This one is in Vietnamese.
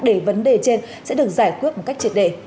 để vấn đề trên sẽ được giải quyết một cách triệt đề